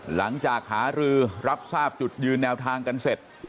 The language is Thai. หลังจากหารือรับทราบจุดยืนแนวทางกันเสร็จ